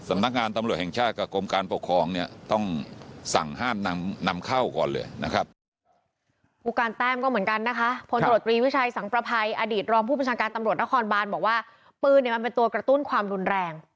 มันทำได้ง่ายขนาดนั้นนะคะ